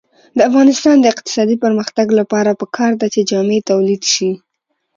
د افغانستان د اقتصادي پرمختګ لپاره پکار ده چې جامې تولید شي.